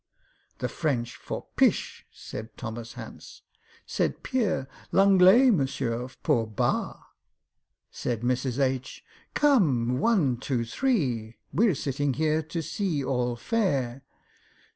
"The French for 'Pish'" said THOMAS HANCE. Said PIERRE, "L'Anglais, Monsieur, pour 'Bah.'" Said MRS. H., "Come, one! two! three!— We're sittin' here to see all fair."